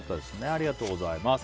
ありがとうございます。